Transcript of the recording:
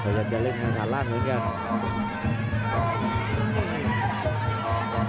พยายามจะไถ่หน้านี่ครับการต้องเตือนเลยครับ